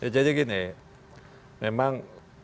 jadi gini memang